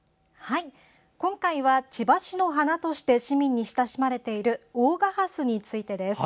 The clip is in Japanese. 今回は千葉市の花として市民に親しまれている大賀ハスについてです。